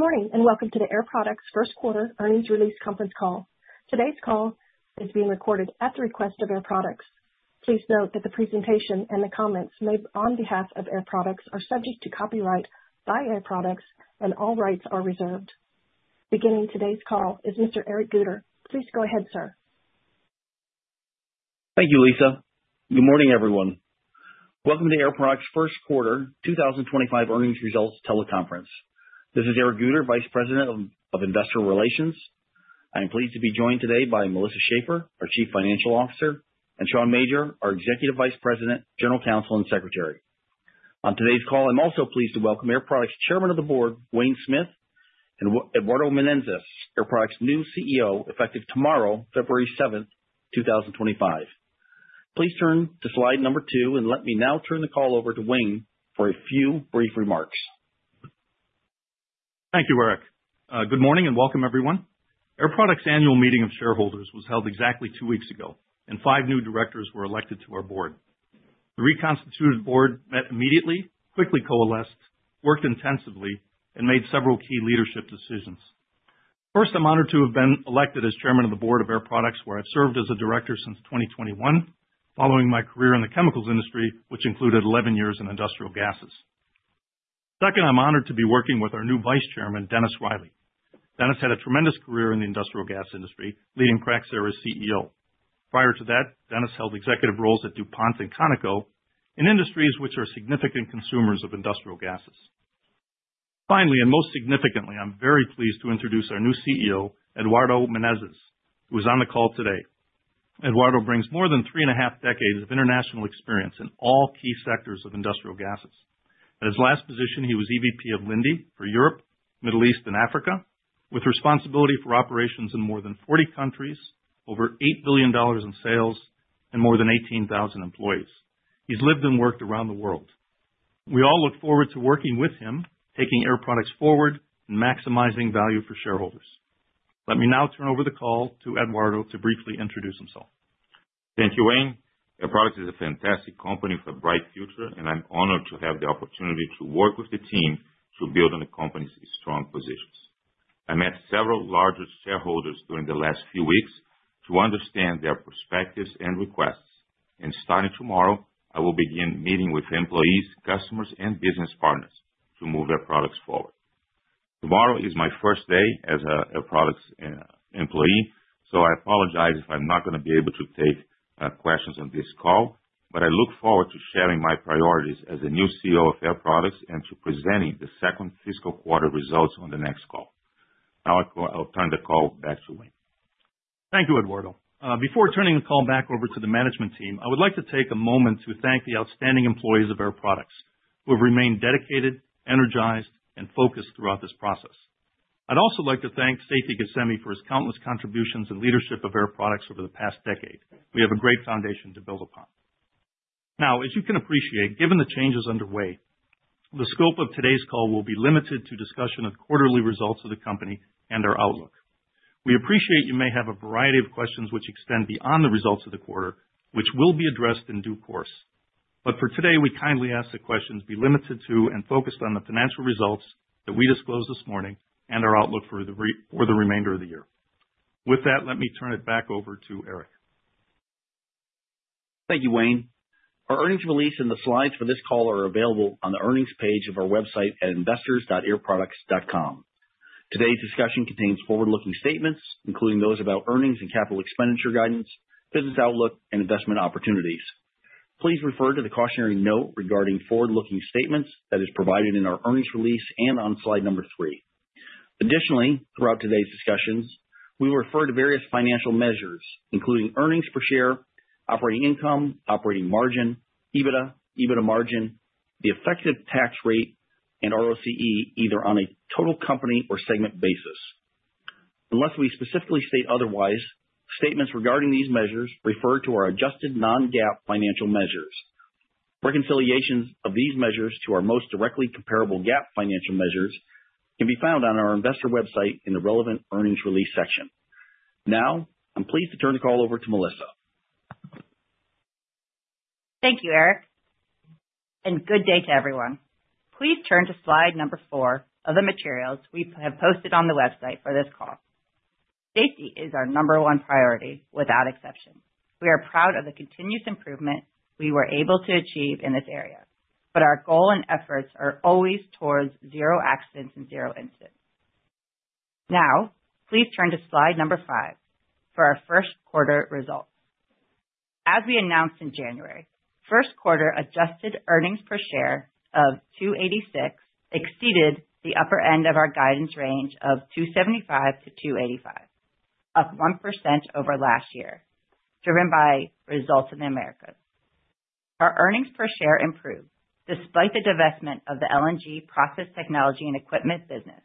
Good morning and welcome to the Air Products First Quarter earnings release conference call. Today's call is being recorded at the request of Air Products. Please note that the presentation and the comments made on behalf of Air Products are subject to copyright by Air Products, and all rights are reserved. Beginning today's call is Mr. Eric Guter. Please go ahead, sir. Thank you, Lisa. Good morning, everyone. Welcome to Air Products First Quarter 2025 Earnings Results Teleconference. This is Eric Guter, Vice President of Investor Relations. I'm pleased to be joined today by Melissa Schaeffer, our Chief Financial Officer, and Sean Major, our Executive Vice President, General Counsel, and Secretary. On today's call, I'm also pleased to welcome Air Products Chairman of the Board, Wayne Smith, and Eduardo Menezes, Air Products' new CEO, effective tomorrow, February 7, 2025. Please turn to slide number two, and let me now turn the call over to Wayne for a few brief remarks. Thank you, Eric. Good morning and welcome, everyone. Air Products' annual meeting of shareholders was held exactly two weeks ago, and five new directors were elected to our board. The reconstituted board met immediately, quickly coalesced, worked intensively, and made several key leadership decisions. First, I'm honored to have been elected as Chairman of the Board of Air Products, where I've served as a director since 2021, following my career in the chemicals industry, which included 11 years in industrial gases. Second, I'm honored to be working with our new Vice Chairman, Dennis Reilley. Dennis had a tremendous career in the industrial gas industry, leading Praxair as CEO. Prior to that, Dennis held executive roles at DuPont and Conoco, in industries which are significant consumers of industrial gases. Finally, and most significantly, I'm very pleased to introduce our new CEO, Eduardo Menezes, who is on the call today. Eduardo brings more than three and a half decades of international experience in all key sectors of industrial gases. At his last position, he was EVP of Linde for Europe, the Middle East, and Africa, with responsibility for operations in more than 40 countries, over $8 billion in sales, and more than 18,000 employees. He's lived and worked around the world. We all look forward to working with him, taking Air Products forward, and maximizing value for shareholders. Let me now turn over the call to Eduardo to briefly introduce himself. Thank you, Wayne. Air Products is a fantastic company with a bright future, and I'm honored to have the opportunity to work with the team to build on the company's strong positions. I met several larger shareholders during the last few weeks to understand their perspectives and requests, and starting tomorrow, I will begin meeting with employees, customers, and business partners to move Air Products forward. Tomorrow is my first day as an Air Products employee, so I apologize if I'm not going to be able to take questions on this call, but I look forward to sharing my priorities as a new CEO of Air Products and to presenting the second fiscal quarter results on the next call. Now I'll turn the call back to Wayne. Thank you, Eduardo. Before turning the call back over to the management team, I would like to take a moment to thank the outstanding employees of Air Products who have remained dedicated, energized, and focused throughout this process. I'd also like to thank Seifi Ghasemi for his countless contributions and leadership of Air Products over the past decade. We have a great foundation to build upon. Now, as you can appreciate, given the changes underway, the scope of today's call will be limited to discussion of quarterly results of the company and our outlook. We appreciate that you may have a variety of questions which extend beyond the results of the quarter, which will be addressed in due course. But for today, we kindly ask that questions be limited to and focused on the financial results that we disclose this morning and our outlook for the remainder of the year. With that, let me turn it back over to Eric. Thank you, Wayne. Our earnings release and the slides for this call are available on the earnings page of our website at investors.airproducts.com. Today's discussion contains forward-looking statements, including those about earnings and capital expenditure guidance, business outlook, and investment opportunities. Please refer to the cautionary note regarding forward-looking statements that is provided in our earnings release and on slide number three. Additionally, throughout today's discussions, we will refer to various financial measures, including earnings per share, operating income, operating margin, EBITDA, EBITDA margin, the effective tax rate, and ROCE, either on a total company or segment basis. Unless we specifically state otherwise, statements regarding these measures refer to our adjusted non-GAAP financial measures. Reconciliations of these measures to our most directly comparable GAAP financial measures can be found on our investor website in the relevant earnings release section. Now, I'm pleased to turn the call over to Melissa. Thank you, Eric, and good day to everyone. Please turn to slide number four of the materials we have posted on the website for this call. Safety is our number one priority without exception. We are proud of the continuous improvement we were able to achieve in this area, but our goal and efforts are always towards zero accidents and zero incidents. Now, please turn to slide number five for our first quarter results. As we announced in January, first quarter adjusted earnings per share of $2.86 exceeded the upper end of our guidance range of $2.75-$2.85, up 1% over last year, driven by results in Americas. Our earnings per share improved despite the divestment of the LNG process technology and equipment business,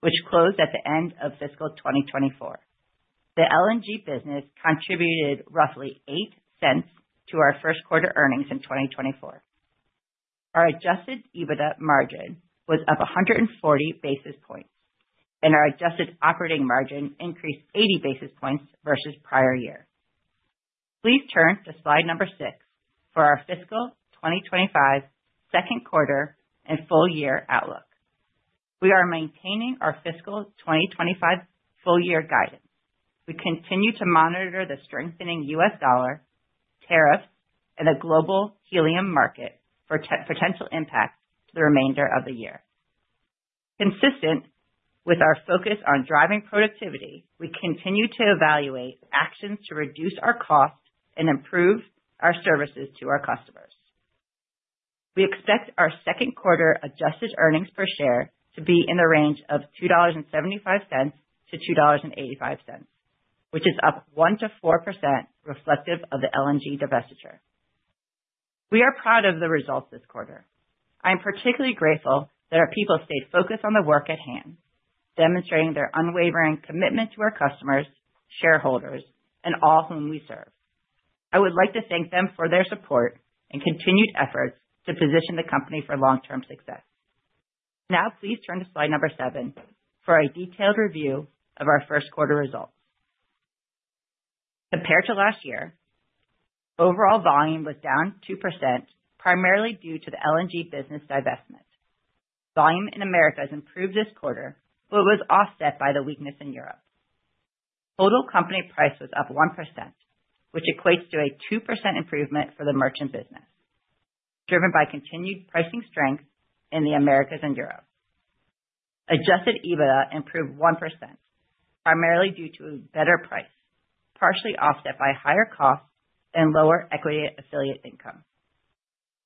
which closed at the end of fiscal 2024. The LNG business contributed roughly $0.08 to our first quarter earnings in 2024. Our adjusted EBITDA margin was up 140 basis points, and our adjusted operating margin increased 80 basis points versus prior year. Please turn to slide number six for our fiscal 2025 second quarter and full year outlook. We are maintaining our fiscal 2025 full year guidance. We continue to monitor the strengthening U.S. dollar, tariffs, and the global helium market for potential impact to the remainder of the year. Consistent with our focus on driving productivity, we continue to evaluate actions to reduce our costs and improve our services to our customers. We expect our second quarter adjusted earnings per share to be in the range of $2.75-$2.85, which is up 1%-4%, reflective of the LNG divestiture. We are proud of the results this quarter. I am particularly grateful that our people stayed focused on the work at hand, demonstrating their unwavering commitment to our customers, shareholders, and all whom we serve. I would like to thank them for their support and continued efforts to position the company for long-term success. Now, please turn to slide number seven for a detailed review of our first quarter results. Compared to last year, overall volume was down 2%, primarily due to the LNG business divestment. Volume in America has improved this quarter, but it was offset by the weakness in Europe. Total company price was up 1%, which equates to a 2% improvement for the merchant business, driven by continued pricing strength in the Americas and Europe. Adjusted EBITDA improved 1%, primarily due to a better price, partially offset by higher costs and lower equity affiliate income.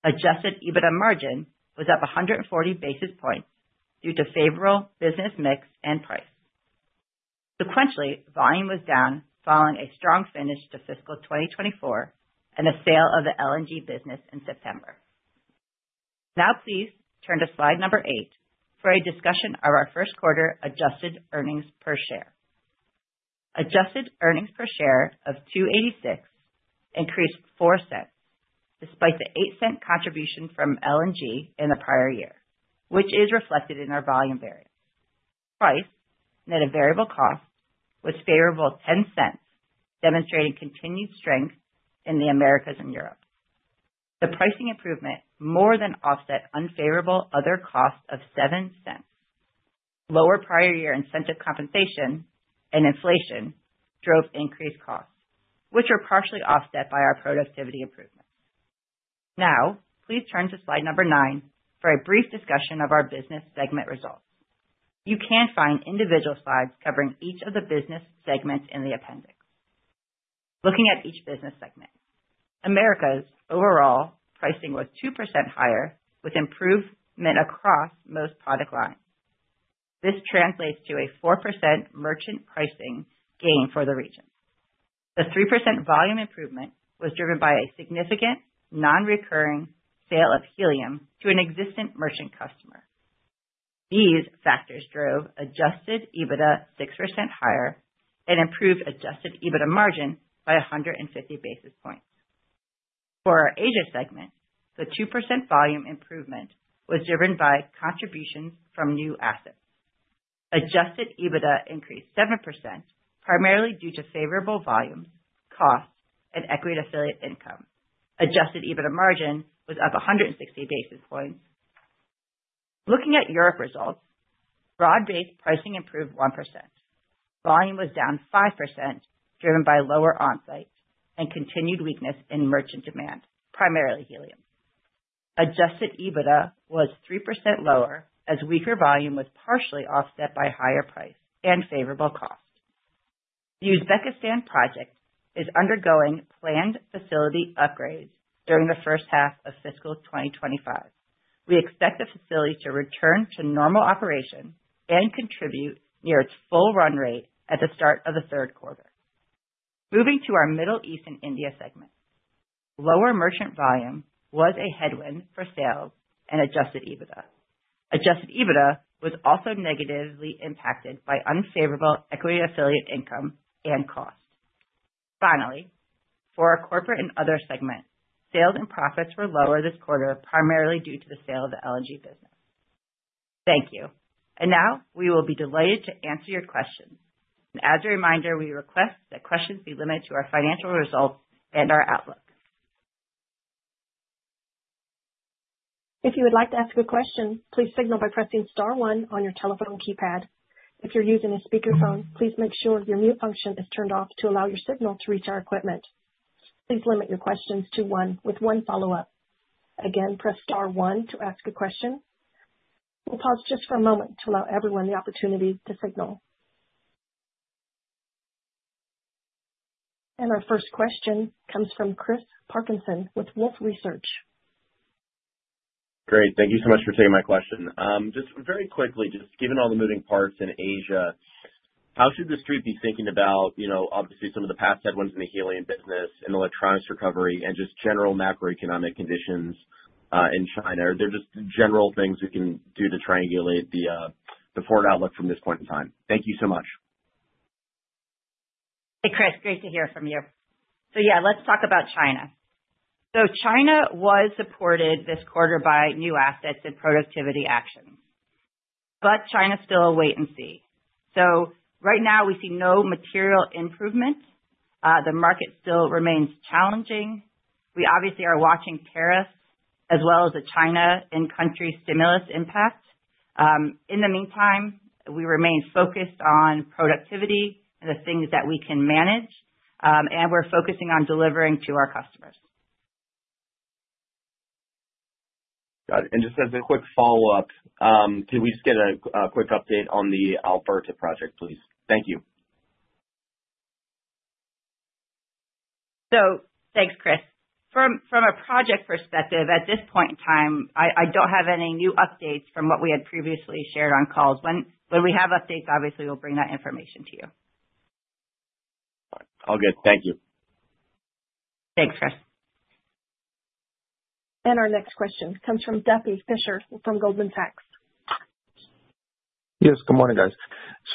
Adjusted EBITDA margin was up 140 basis points due to favorable business mix and price. Sequentially, volume was down following a strong finish to fiscal 2024 and the sale of the LNG business in September. Now, please turn to slide number eight for a discussion of our first quarter adjusted earnings per share. Adjusted earnings per share of $2.86 increased $0.04 despite the $0.08 contribution from LNG in the prior year, which is reflected in our volume variance. Price net variable cost was favorable $0.10, demonstrating continued strength in the Americas and Europe. The pricing improvement more than offset unfavorable other costs of $0.07. Lower prior year incentive compensation and inflation drove increased costs, which were partially offset by our productivity improvements. Now, please turn to slide number nine for a brief discussion of our business segment results. You can find individual slides covering each of the business segments in the appendix. Looking at each business segment, Americas overall pricing was 2% higher, with improvement across most product lines. This translates to a 4% merchant pricing gain for the region. The 3% volume improvement was driven by a significant non-recurring sale of helium to an existing merchant customer. These factors drove adjusted EBITDA 6% higher and improved adjusted EBITDA margin by 150 basis points. For our Asia segment, the 2% volume improvement was driven by contributions from new assets. Adjusted EBITDA increased 7%, primarily due to favorable volumes, costs, and equity affiliate income. Adjusted EBITDA margin was up 160 basis points. Looking at Europe results, broad-based pricing improved 1%. Volume was down 5%, driven by lower onsite and continued weakness in merchant demand, primarily helium. Adjusted EBITDA was 3% lower as weaker volume was partially offset by higher price and favorable costs. The Uzbekistan project is undergoing planned facility upgrades during the first half of fiscal 2025. We expect the facility to return to normal operation and contribute near its full run rate at the start of the third quarter. Moving to our Middle East and India segment, lower merchant volume was a headwind for sales and adjusted EBITDA. Adjusted EBITDA was also negatively impacted by unfavorable equity affiliate income and cost. Finally, for our corporate and other segment, sales and profits were lower this quarter, primarily due to the sale of the LNG business. Thank you. Now we will be delighted to answer your questions. As a reminder, we request that questions be limited to our financial results and our outlook. If you would like to ask a question, please signal by pressing star one on your telephone keypad. If you're using a speakerphone, please make sure your mute function is turned off to allow your signal to reach our equipment. Please limit your questions to one with one follow-up. Again, press star one to ask a question. We'll pause just for a moment to allow everyone the opportunity to signal, and our first question comes from Chris Parkinson with Wolfe Research. Great. Thank you so much for taking my question. Just very quickly, just given all the moving parts in Asia, how should the street be thinking about, you know, obviously some of the past headwinds in the helium business and electronics recovery and just general macroeconomic conditions in China? Are there just general things we can do to triangulate the forward outlook from this point in time? Thank you so much. Hey, Chris. Great to hear from you. So yeah, let's talk about China. So China was supported this quarter by new assets and productivity actions, but China is still a wait and see. So right now we see no material improvement. The market still remains challenging. We obviously are watching tariffs as well as the China and country stimulus impact. In the meantime, we remain focused on productivity and the things that we can manage, and we're focusing on delivering to our customers. Got it. And just as a quick follow-up, can we just get a quick update on the Alberta project, please? Thank you. Thanks, Chris. From a project perspective, at this point in time, I don't have any new updates from what we had previously shared on calls. When we have updates, obviously we'll bring that information to you. All right. All good. Thank you. Thanks, Chris. Our next question comes from Duffy Fischer from Goldman Sachs. Yes, good morning, guys.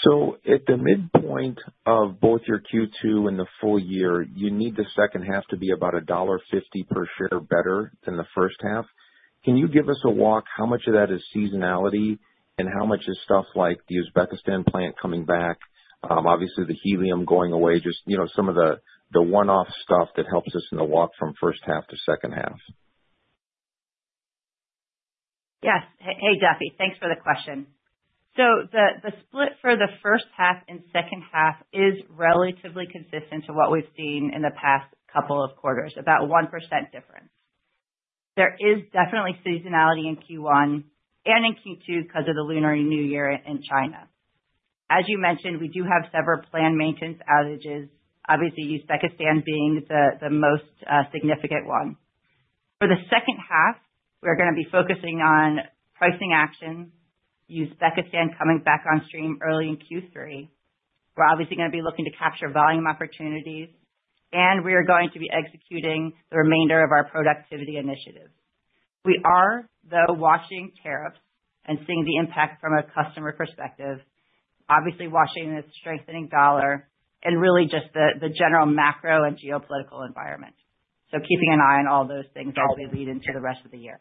So at the midpoint of both your Q2 and the full year, you need the second half to be about $1.50 per share better than the first half. Can you give us a walk how much of that is seasonality and how much is stuff like the Uzbekistan plant coming back, obviously the helium going away, just, you know, some of the one-off stuff that helps us in the walk from first half to second half? Yes. Hey, Duffy, thanks for the question. So the split for the first half and second half is relatively consistent to what we've seen in the past couple of quarters, about 1% difference. There is definitely seasonality in Q1 and in Q2 because of the Lunar New Year in China. As you mentioned, we do have several planned maintenance outages, obviously Uzbekistan being the most significant one. For the second half, we're going to be focusing on pricing action, Uzbekistan coming back on stream early in Q3. We're obviously going to be looking to capture volume opportunities, and we are going to be executing the remainder of our productivity initiative. We are, though, watching tariffs and seeing the impact from a customer perspective, obviously watching the strengthening dollar and really just the general macro and geopolitical environment. So keeping an eye on all those things as we lead into the rest of the year.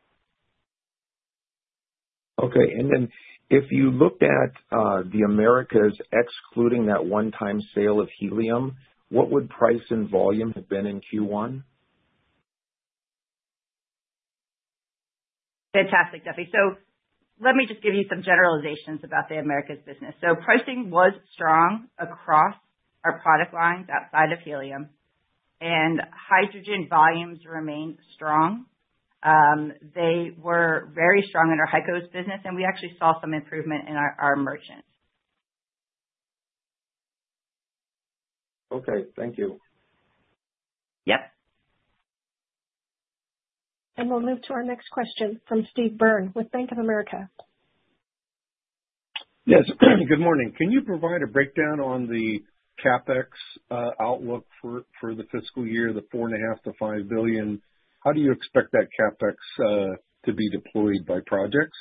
Okay. And then if you looked at the Americas excluding that one-time sale of helium, what would price and volume have been in Q1? Fantastic, Duffy. So let me just give you some generalizations about the Americas business. So pricing was strong across our product lines outside of helium, and hydrogen volumes remained strong. They were very strong in our HyCO business, and we actually saw some improvement in our merchants. Okay. Thank you. Yep. We'll move to our next question from Steve Byrne with Bank of America. Yes. Good morning. Can you provide a breakdown on the CapEx outlook for the fiscal year, the $4.5-$5 billion? How do you expect that CapEx to be deployed by projects?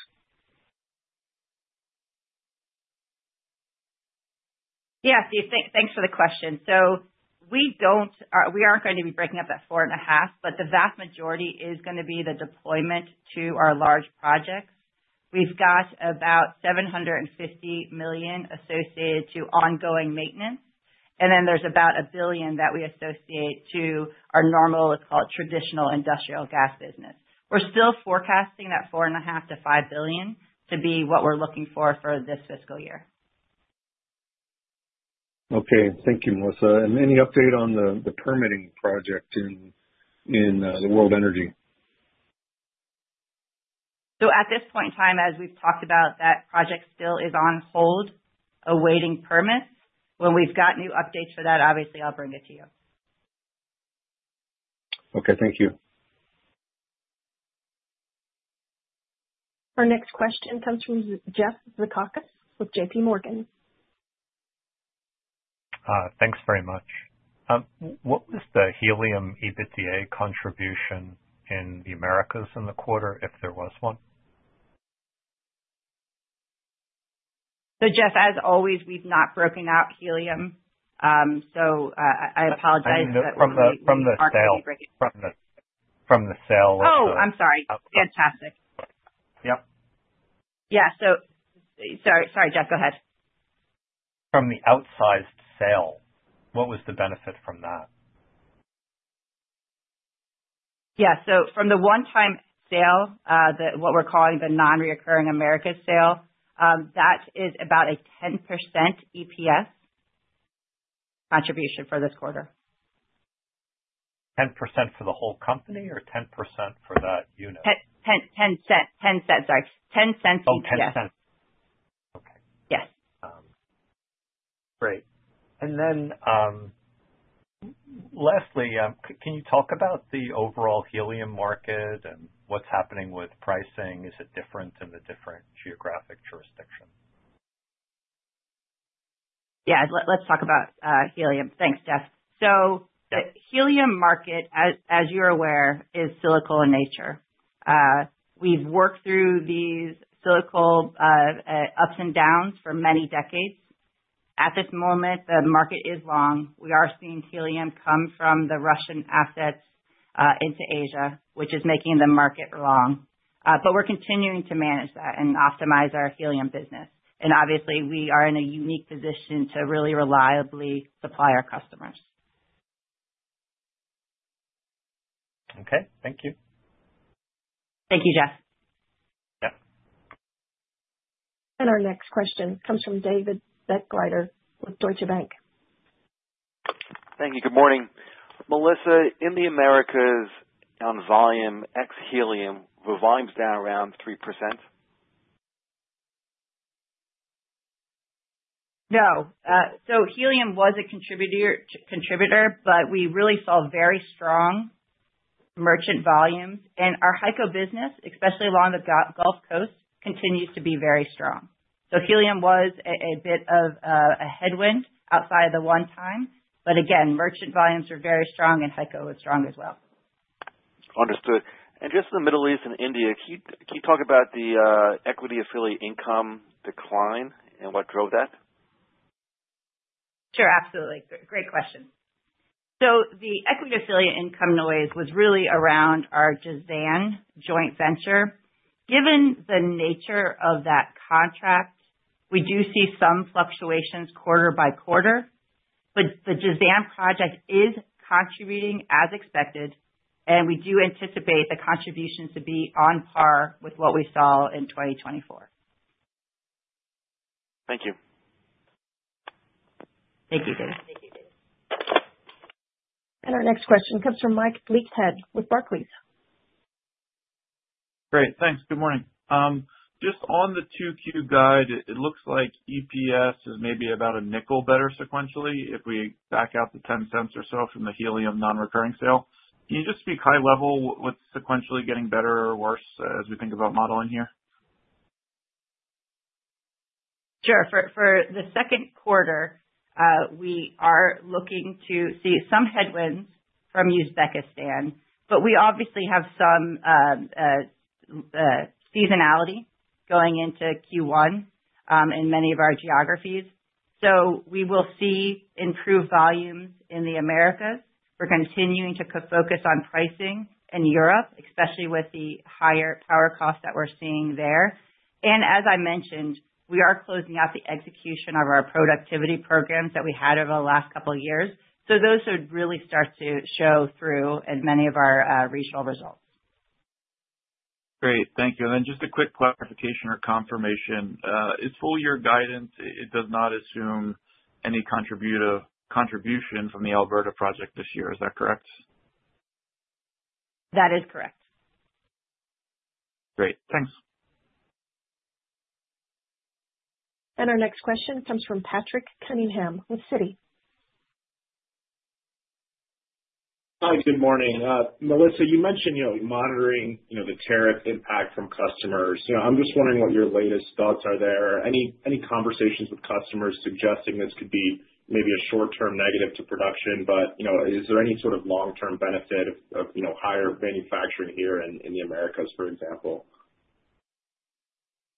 Yes. Thanks for the question. So we aren't going to be breaking up that $4.5 billion, but the vast majority is going to be the deployment to our large projects. We've got about $750 million associated to ongoing maintenance, and then there's about $1 billion that we associate to our normal, let's call it traditional industrial gas business. We're still forecasting that $4.5-$5 billion to be what we're looking for for this fiscal year. Okay. Thank you, Melissa, and any update on the permitting project in the World Energy? So at this point in time, as we've talked about, that project still is on hold, awaiting permits. When we've got new updates for that, obviously I'll bring it to you. Okay. Thank you. Our next question comes from Jeffrey Zekauskas with JPMorgan. Thanks very much. What was the helium EBITDA contribution in the Americas in the quarter, if there was one? Jeff, as always, we've not broken out helium, so I apologize. From the sale. Oh, I'm sorry. Fantastic. Yep. Yeah, so sorry, Jeff, go ahead. From the outsized sale, what was the benefit from that? Yeah. So from the one-time sale, what we're calling the non-recurring Americas sale, that is about a 10% EPS contribution for this quarter. 10% for the whole company or 10% for that unit? $0.10. Sorry. $0.10 EPS. Oh, $0.10. Yes. Great. And then lastly, can you talk about the overall helium market and what's happening with pricing? Is it different in the different geographic jurisdictions? Yeah. Let's talk about helium. Thanks, Jeff. So the helium market, as you're aware, is cyclical in nature. We've worked through these cyclical ups and downs for many decades. At this moment, the market is long. We are seeing helium come from the Russian assets into Asia, which is making the market long. But we're continuing to manage that and optimize our helium business. And obviously, we are in a unique position to really reliably supply our customers. Okay. Thank you. Thank you, Jeff. Yep. Our next question comes from David Begleiter with Deutsche Bank. Thank you. Good morning. Melissa, in the Americas on volume ex helium, were volumes down around 3%? No. So helium was a contributor, but we really saw very strong merchant volumes. And our HyCO business, especially along the Gulf Coast, continues to be very strong. So helium was a bit of a headwind outside of the one-time. But again, merchant volumes are very strong and HyCO is strong as well. Understood. And just in the Middle East and India, can you talk about the equity affiliate income decline and what drove that? Sure. Absolutely. Great question. So the equity affiliate income noise was really around our Jazan joint venture. Given the nature of that contract, we do see some fluctuations quarter by quarter, but the Jazan project is contributing as expected, and we do anticipate the contributions to be on par with what we saw in 2024. Thank you. Thank you, David. Our next question comes from Mike Leithead with Barclays. Great. Thanks. Good morning. Just on the 2Q guide, it looks like EPS is maybe about $0.05 better sequentially if we back out the $0.10 or so from the helium non-recurring sale. Can you just speak high level what's sequentially getting better or worse as we think about modeling here? Sure. For the second quarter, we are looking to see some headwinds from Uzbekistan, but we obviously have some seasonality going into Q1 in many of our geographies. So we will see improved volumes in the Americas. We're continuing to focus on pricing in Europe, especially with the higher power costs that we're seeing there. And as I mentioned, we are closing out the execution of our productivity programs that we had over the last couple of years. So those should really start to show through in many of our regional results. Great. Thank you. And then just a quick clarification or confirmation. It's full-year guidance. It does not assume any contribution from the Alberta project this year. Is that correct? That is correct. Great. Thanks. Our next question comes from Patrick Cunningham with Citi. Hi. Good morning. Melissa, you mentioned monitoring the tariff impact from customers. I'm just wondering what your latest thoughts are there. Any conversations with customers suggesting this could be maybe a short-term negative to production, but is there any sort of long-term benefit of higher manufacturing here in the Americas, for example?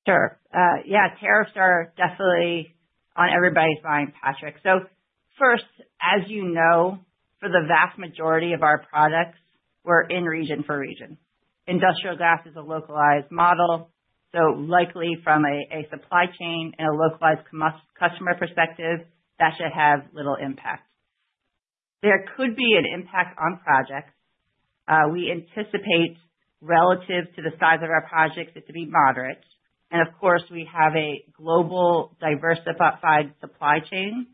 Sure. Yeah. Tariffs are definitely on everybody's mind, Patrick. So first, as you know, for the vast majority of our products, we're in region for region. Industrial gas is a localized model, so likely from a supply chain and a localized customer perspective, that should have little impact. There could be an impact on projects. We anticipate relative to the size of our projects it to be moderate. And of course, we have a global diversified supply chain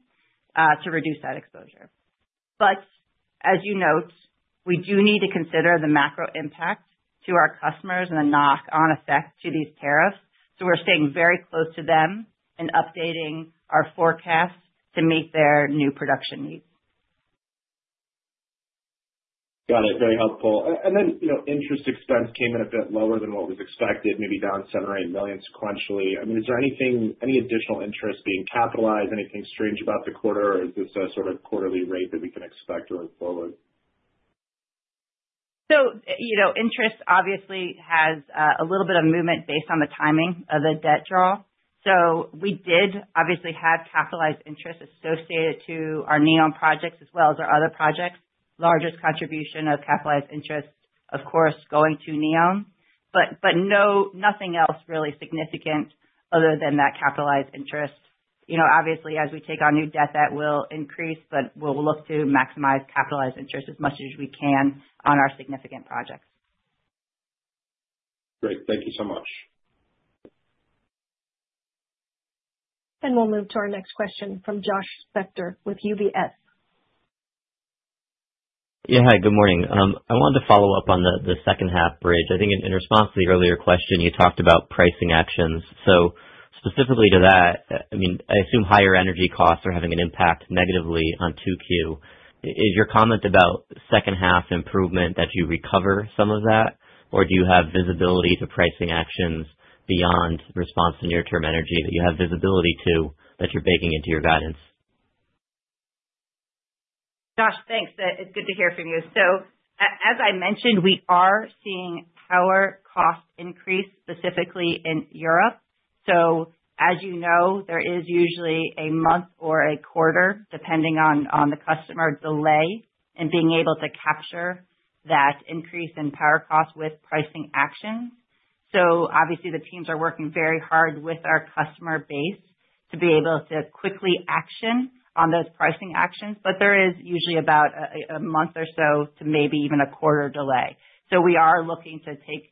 to reduce that exposure. But as you note, we do need to consider the macro impact to our customers and the knock-on effect to these tariffs. So we're staying very close to them and updating our forecast to meet their new production needs. Got it. Very helpful. And then interest expense came in a bit lower than what was expected, maybe down $7 million or $8 million sequentially. I mean, is there any additional interest being capitalized? Anything strange about the quarter, or is this a sort of quarterly rate that we can expect going forward? Interest obviously has a little bit of movement based on the timing of the debt draw. We did obviously have capitalized interest associated to our NEOM projects as well as our other projects. Largest contribution of capitalized interest, of course, going to NEOM. Nothing else really significant other than that capitalized interest. Obviously, as we take on new debt, that will increase, but we'll look to maximize capitalized interest as much as we can on our significant projects. Great. Thank you so much. We'll move to our next question from Josh Spector with UBS. Yeah. Hi. Good morning. I wanted to follow up on the second-half bridge. I think in response to the earlier question, you talked about pricing actions. So specifically to that, I mean, I assume higher energy costs are having an impact negatively on 2Q. Is your comment about second-half improvement that you recover some of that, or do you have visibility to pricing actions beyond response to near-term energy that you have visibility to that you're baking into your guidance? Josh, thanks. It's good to hear from you. So as I mentioned, we are seeing power cost increase specifically in Europe. So as you know, there is usually a month or a quarter depending on the customer delay in being able to capture that increase in power cost with pricing actions. So obviously, the teams are working very hard with our customer base to be able to quickly action on those pricing actions, but there is usually about a month or so to maybe even a quarter delay. So we are looking to take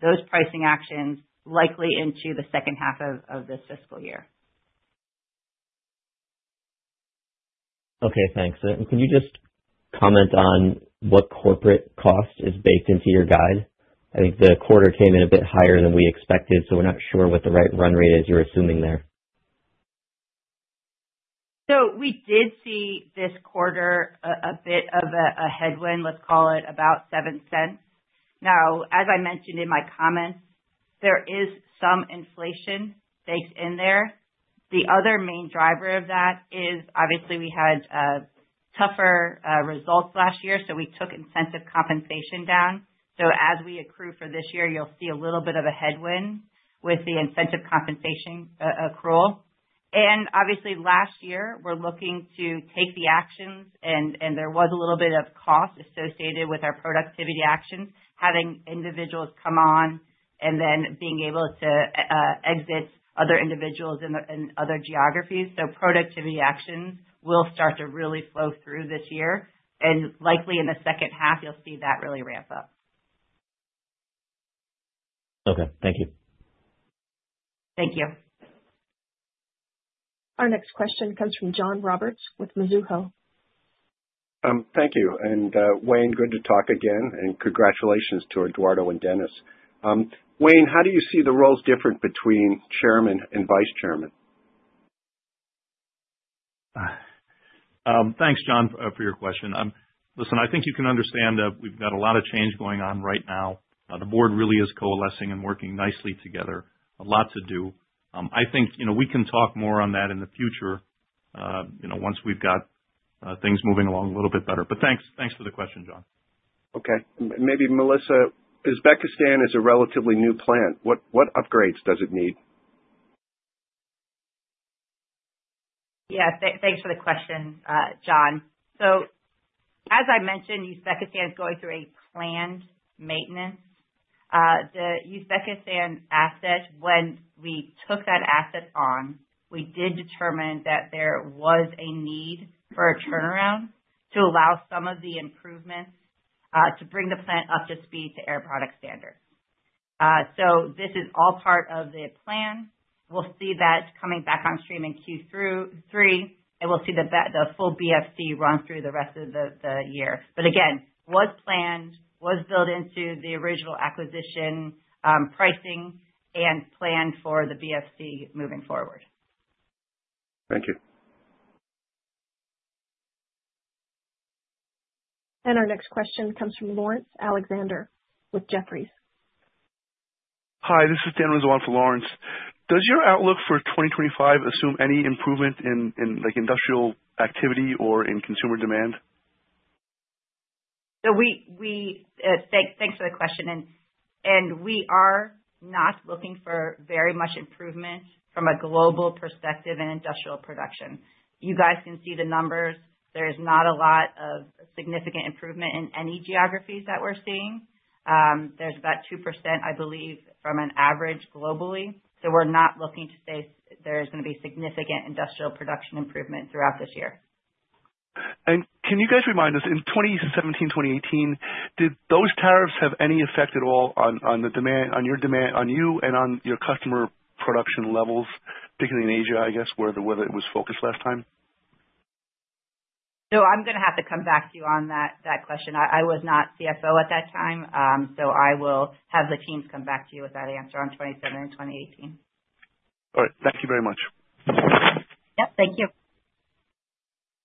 those pricing actions likely into the second half of this fiscal year. Okay. Thanks. And could you just comment on what corporate cost is baked into your guide? I think the quarter came in a bit higher than we expected, so we're not sure what the right run rate is you're assuming there. We did see this quarter a bit of a headwind, let's call it about $0.07. Now, as I mentioned in my comments, there is some inflation baked in there. The other main driver of that is obviously we had tougher results last year, so we took incentive compensation down. So as we accrue for this year, you'll see a little bit of a headwind with the incentive compensation accrual. And obviously, last year, we're looking to take the actions, and there was a little bit of cost associated with our productivity actions, having individuals come on and then being able to exit other individuals in other geographies. So productivity actions will start to really flow through this year, and likely in the second half, you'll see that really ramp up. Okay. Thank you. Thank you. Our next question comes from John Roberts with Mizuho. Thank you and Wayne, good to talk again, and congratulations to Eduardo and Dennis. Wayne, how do you see the roles different between chairman and vice chairman? Thanks, John, for your question. Listen, I think you can understand we've got a lot of change going on right now. The board really is coalescing and working nicely together. A lot to do. I think we can talk more on that in the future once we've got things moving along a little bit better. But thanks for the question, John. Okay. Maybe Melissa, Uzbekistan is a relatively new plant. What upgrades does it need? Yeah. Thanks for the question, John. So as I mentioned, Uzbekistan is going through a planned maintenance. The Uzbekistan asset, when we took that asset on, we did determine that there was a need for a turnaround to allow some of the improvements to bring the plant up to speed to Air Products standards. So this is all part of the plan. We'll see that coming back on stream in Q3, and we'll see the full BFC run through the rest of the year. But again, was planned, was built into the original acquisition pricing, and planned for the BFC moving forward. Thank you. Our next question comes from Laurence Alexander with Jefferies. Hi. This is Dan Rizzo for Laurence. Does your outlook for 2025 assume any improvement in industrial activity or in consumer demand? Thanks for the question, and we are not looking for very much improvement from a global perspective in industrial production. You guys can see the numbers. There is not a lot of significant improvement in any geographies that we're seeing. There's about 2%, I believe, from an average globally. So we're not looking to say there's going to be significant industrial production improvement throughout this year. Can you guys remind us, in 2017, 2018, did those tariffs have any effect at all on your demand on you and on your customer production levels, particularly in Asia, I guess, where it was focused last time? So I'm going to have to come back to you on that question. I was not CFO at that time, so I will have the teams come back to you with that answer on 2017 and 2018. All right. Thank you very much. Yep. Thank you.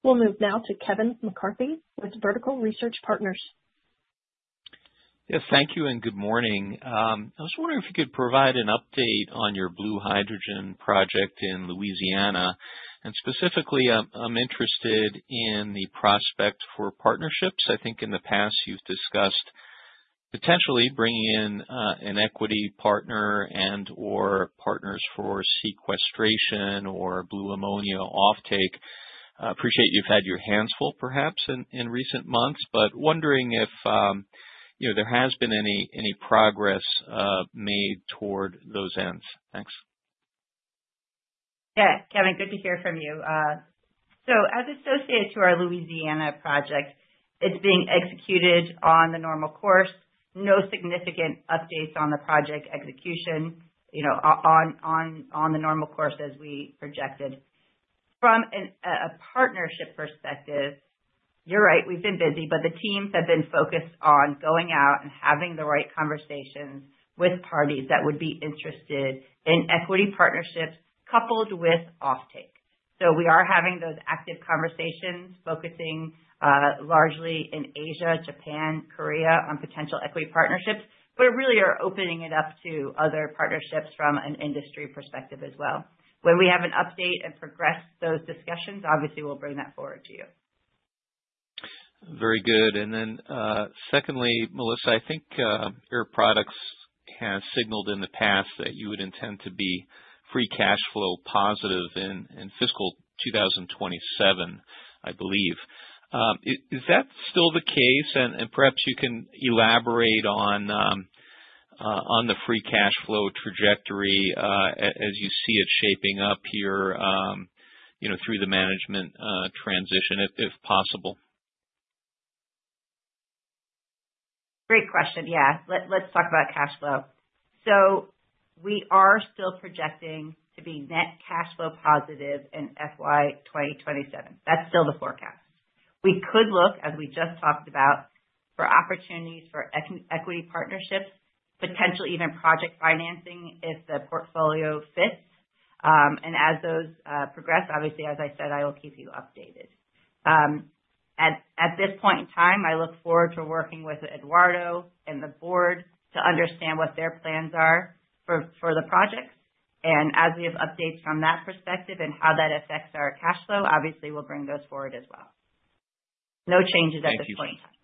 We'll move now to Kevin McCarthy with Vertical Research Partners. Yes. Thank you and good morning. I was wondering if you could provide an update on your blue hydrogen project in Louisiana, and specifically, I'm interested in the prospect for partnerships. I think in the past, you've discussed potentially bringing in an equity partner and/or partners for sequestration or blue ammonia offtake. Appreciate you've had your hands full perhaps in recent months, but wondering if there has been any progress made toward those ends? Thanks. Yeah. Kevin, good to hear from you. So, as associated to our Louisiana project, it's being executed in the normal course. No significant updates on the project execution in the normal course as we projected. From a partnership perspective, you're right. We've been busy, but the teams have been focused on going out and having the right conversations with parties that would be interested in equity partnerships coupled with offtake. So we are having those active conversations focusing largely in Asia, Japan, Korea on potential equity partnerships, but really are opening it up to other partnerships from an industry perspective as well. When we have an update and progress those discussions, obviously, we'll bring that forward to you. Very good. And then secondly, Melissa, I think Air Products have signaled in the past that you would intend to be free cash flow positive in fiscal 2027, I believe. Is that still the case? And perhaps you can elaborate on the free cash flow trajectory as you see it shaping up here through the management transition if possible. Great question. Yeah. Let's talk about cash flow. So we are still projecting to be net cash flow positive in FY 2027. That's still the forecast. We could look, as we just talked about, for opportunities for equity partnerships, potentially even project financing if the portfolio fits. And as those progress, obviously, as I said, I will keep you updated. At this point in time, I look forward to working with Eduardo and the board to understand what their plans are for the projects. And as we have updates from that perspective and how that affects our cash flow, obviously, we'll bring those forward as well. No changes at this point in time.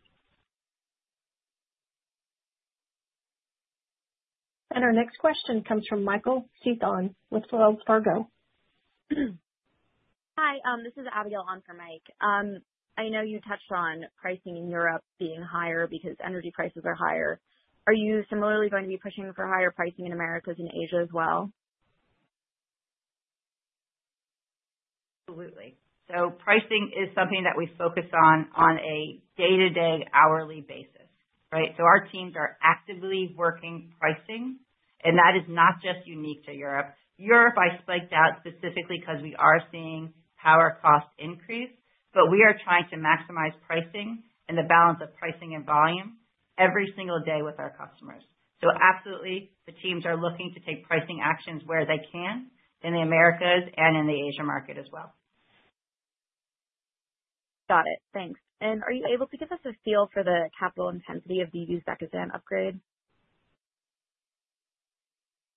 Thank you, and our next question comes from Michael Sison with Wells Fargo. Hi. This is Abigail on for Mike. I know you touched on pricing in Europe being higher because energy prices are higher. Are you similarly going to be pushing for higher pricing in Americas and Asia as well? Absolutely. So pricing is something that we focus on a day-to-day hourly basis, right? So our teams are actively working pricing, and that is not just unique to Europe. Europe, I called out specifically because we are seeing power cost increase, but we are trying to maximize pricing and the balance of pricing and volume every single day with our customers. So absolutely, the teams are looking to take pricing actions where they can in the Americas and in the Asia market as well. Got it. Thanks. And are you able to give us a feel for the capital intensity of the Uzbekistan upgrade?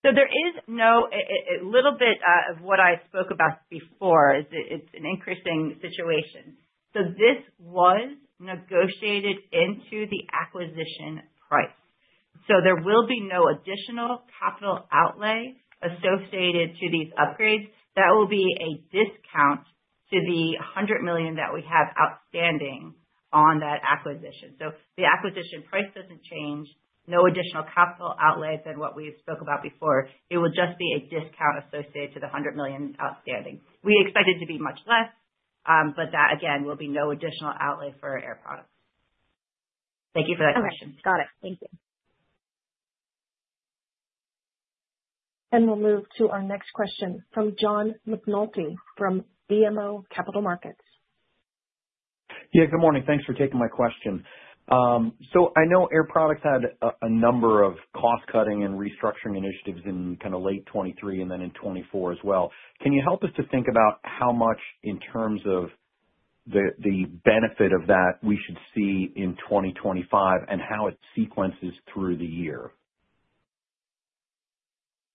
So there is a little bit of what I spoke about before. It's an interesting situation. So this was negotiated into the acquisition price. So there will be no additional capital outlay associated to these upgrades. That will be a discount to the $100 million that we have outstanding on that acquisition. So the acquisition price doesn't change. No additional capital outlay than what we spoke about before. It will just be a discount associated to the $100 million outstanding. We expect it to be much less, but that, again, will be no additional outlay for Air Products. Thank you for that question. Got it. Thank you. And we'll move to our next question from John McNulty from BMO Capital Markets. Yeah. Good morning. Thanks for taking my question. So I know Air Products had a number of cost-cutting and restructuring initiatives in kind of late 2023 and then in 2024 as well. Can you help us to think about how much in terms of the benefit of that we should see in 2025 and how it sequences through the year?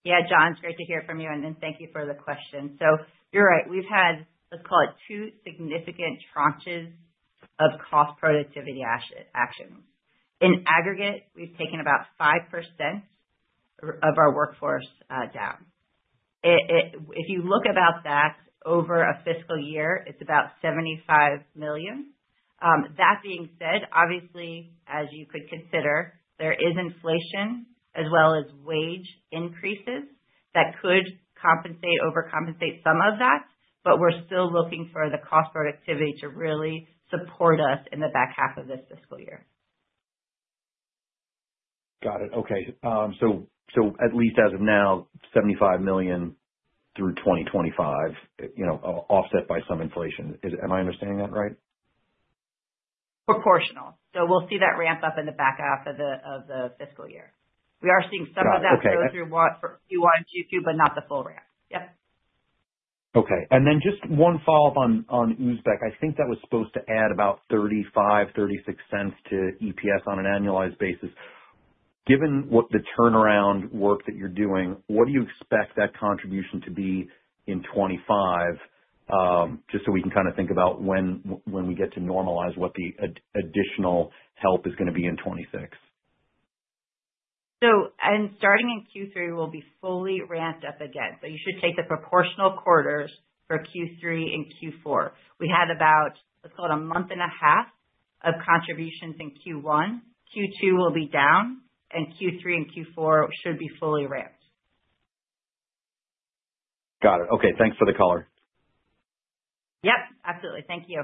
Yeah, John, it's great to hear from you, and thank you for the question. So you're right. We've had, let's call it, two significant tranches of cost-productivity actions. In aggregate, we've taken about 5% of our workforce down. If you look about that over a fiscal year, it's about $75 million. That being said, obviously, as you could consider, there is inflation as well as wage increases that could overcompensate some of that, but we're still looking for the cost-productivity to really support us in the back half of this fiscal year. Got it. Okay. So at least as of now, $75 million through 2025 offset by some inflation. Am I understanding that right? Proportional. So we'll see that ramp up in the back half of the fiscal year. We are seeing some of that go through Q1, Q2, but not the full ramp. Yep. Okay. And then just one follow-up on Uzbekistan. I think that was supposed to add about $0.35-$0.36 to EPS on an annualized basis. Given what the turnaround work that you're doing, what do you expect that contribution to be in 2025 just so we can kind of think about when we get to normalize what the additional help is going to be in 2026? So starting in Q3, we'll be fully ramped up again. So you should take the proportional quarters for Q3 and Q4. We had about, let's call it, a month and a half of contributions in Q1. Q2 will be down, and Q3 and Q4 should be fully ramped. Got it. Okay. Thanks for the color. Yep. Absolutely. Thank you.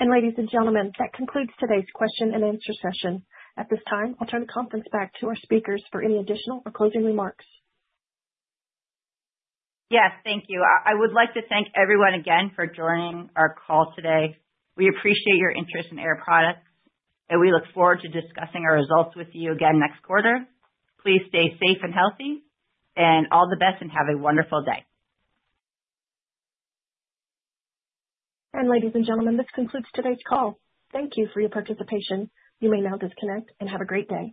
Ladies and gentlemen, that concludes today's question and answer session. At this time, I'll turn the conference back to our speakers for any additional or closing remarks. Yes. Thank you. I would like to thank everyone again for joining our call today. We appreciate your interest in Air Products, and we look forward to discussing our results with you again next quarter. Please stay safe and healthy, and all the best, and have a wonderful day. Ladies and gentlemen, this concludes today's call. Thank you for your participation. You may now disconnect and have a great day.